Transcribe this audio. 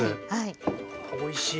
おいしい。